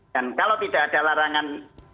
dan kalau tidak ada larangan